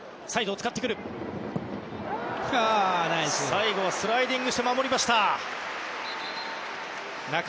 最後スライディングして守りました。